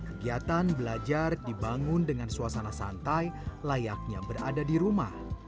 kegiatan belajar dibangun dengan suasana santai layaknya berada di rumah